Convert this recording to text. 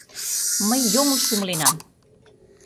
Мый йоҥылыш умыленам.